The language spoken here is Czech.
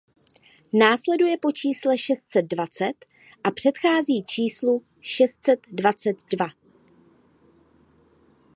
Následuje po čísle šest set dvacet a předchází číslu šest set dvacet dva.